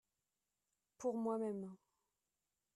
Pour moi-même.